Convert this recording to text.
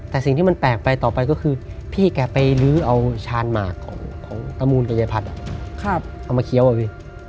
แต่สิ่งที่มันแปลกไปต่อไปก็คือพี่แกไปลื้อเอาชาญหมากของตะมูลกับยายพัดเอามาเคี้ยวอะพี่